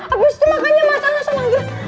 abis itu makannya mas anas menggil